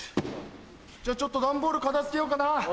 じゃあちょっと段ボール片付けようかな。